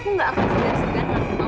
aku gak akan segar segar ngaku